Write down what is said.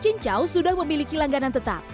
cincau sudah memiliki langganan tetap